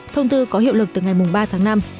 thông tư có hiệu lực từ ngày ba tháng năm